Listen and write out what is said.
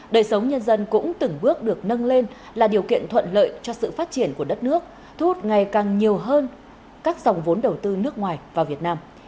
đời sống nhân dân cũng từng bước được nâng lên là điều kiện thuận lợi cho sự phát triển của đất nước thu hút ngày càng nhiều hơn các dòng vốn đầu tư nước ngoài vào việt nam